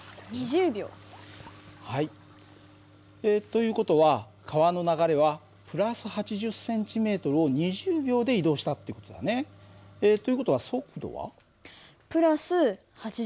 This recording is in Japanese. という事は川の流れは＋８０ｃｍを２０秒で移動したっていう事だね。という事は速度は？